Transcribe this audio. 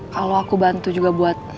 kalau aku bantu juga buat